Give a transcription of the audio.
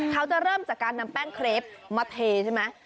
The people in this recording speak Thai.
เขาจะเริ่มจากการนำแป้งเครปมาเทใช่ไหม